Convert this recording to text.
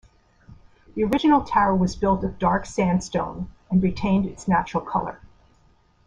The original tower was built of dark sandstone and retained its natural color.